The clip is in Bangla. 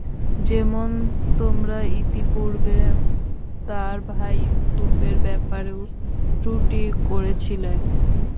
যেমন তোমরা ইতিপূর্বে তার ভাই ইউসুফের ব্যাপারেও ত্রুটি করেছিলে।